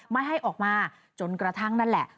ไม่ให้ออกมาจนกระทั่งนั่นแหละ